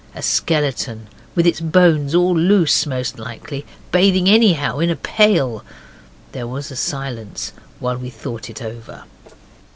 A skeleton, with its bones all loose most likely, bathing anyhow in a pail. There was a silence while we thought it over.